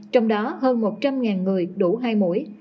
trong đó hơn một trăm linh người đủ hai mũi